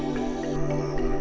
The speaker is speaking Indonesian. atau berisikan ancora